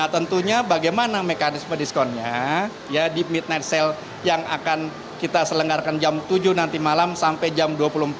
tentunya bagaimana mekanisme diskonnya di midnight sale yang akan kita selenggarkan jam tujuh nanti malam sampai jam dua puluh empat